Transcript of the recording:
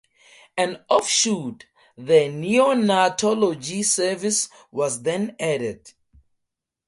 An offshoot, the neonatology service, was then added.